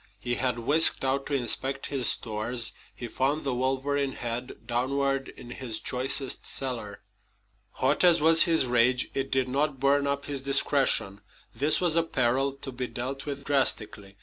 He had whisked out to inspect his stores. He found the wolverine head downward in his choicest cellar. Hot as was his rage, it did not burn up his discretion. This was a peril to be dealt with drastically.